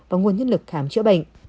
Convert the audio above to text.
và nguồn nhân lực khám chữa bệnh